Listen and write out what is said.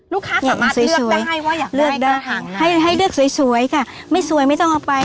ลูกค้าสามารถเลือกได้ว่าอยากได้กระทางไหนเลือกได้ให้ให้เลือกสวยสวยค่ะไม่สวยไม่ต้องเอาไป